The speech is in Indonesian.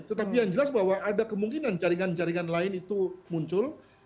tetapi yang jelas bahwa ada kemungkinan jaringan jaringan lain itu muncul